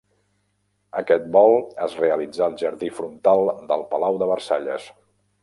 Aquest vol es realitzà al jardí frontal del Palau de Versalles.